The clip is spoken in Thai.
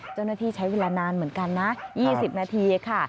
เจ้าหน้าที่ใช้เวลานานเหมือนกันนะ๒๐นาทีค่ะ